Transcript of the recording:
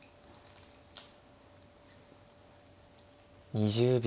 ２０秒。